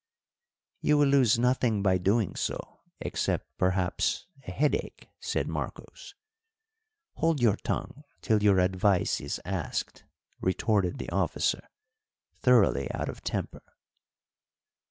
"You will lose nothing by doing so, except, perhaps, a headache," said Marcos. "Hold your tongue till your advice is asked!" retorted the officer, thoroughly out of temper.